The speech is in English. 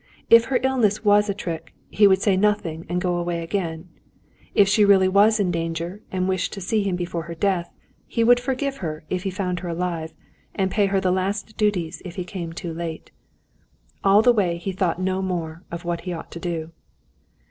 If her illness was a trick, he would say nothing and go away again. If she was really in danger, and wished to see him before her death, he would forgive her if he found her alive, and pay her the last duties if he came too late. All the way he thought no more of what he ought to do.